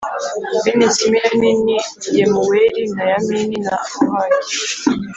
Bene Simeyoni ni Yemuweli na Yamini na Ohadi